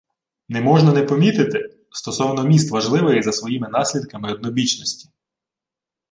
«Не можна не помітити… стосовно міст важливої за своїми наслідками однобічності: